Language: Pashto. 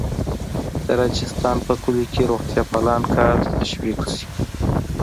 د راجستان په کلیو کې روغتیاپالان کار ته تشویق شي.